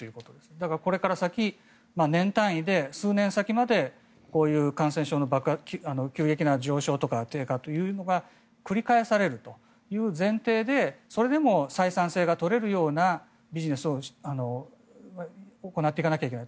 だからこれから先年単位で、数年先までこういう感染症の急激な上昇とか低下が繰り返されるという前提でそれでも採算性が取れるようなビジネスを行っていかなければいけない。